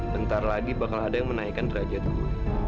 bentar lagi bakal ada yang menaikan derajat gua